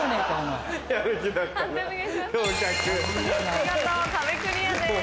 見事壁クリアです。